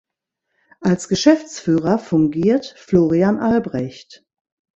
Als Geschäftsführer fungiert Florian Albrecht.